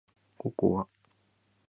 ココア